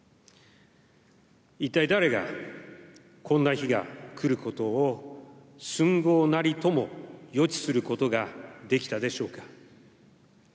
一体誰が、こんな日が来ることをすんごうなりとも予知することができたでしょうか。